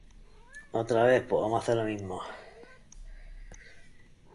Las puntas pueden tener diversas formas.